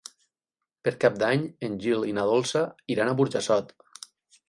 Per Cap d'Any en Gil i na Dolça iran a Burjassot.